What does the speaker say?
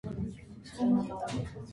Typical materials are the triphenylenes.